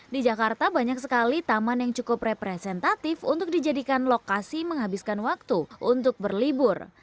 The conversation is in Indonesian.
di jakarta banyak sekali taman yang cukup representatif untuk dijadikan lokasi menghabiskan waktu untuk berlibur